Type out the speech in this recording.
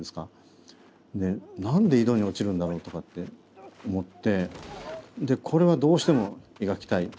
で何で井戸に落ちるんだろうとかって思ってこれはどうしても描きたい。